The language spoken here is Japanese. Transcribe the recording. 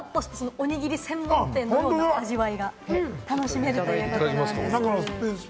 おにぎり専門店の味わいが楽しめるということなんです。